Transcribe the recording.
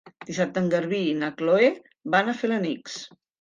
Dissabte en Garbí i na Chloé van a Felanitx.